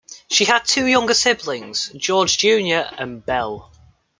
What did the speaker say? She had two younger siblings, George Junior and Belle.